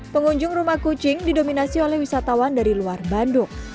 pengunjung rumah kucing didominasi oleh wisatawan dari luar bandung